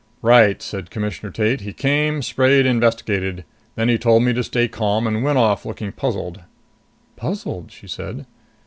"Right," said Commissioner Tate. "He came, sprayed, investigated. Then he told me to stay calm, and went off looking puzzled." "Puzzled?" she said.